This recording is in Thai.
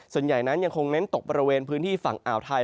ส่วนใหญ่นั้นยังคงเน้นตกบริเวณพื้นที่ฝั่งอ่าวไทย